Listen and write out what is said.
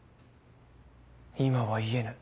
今は言えぬ。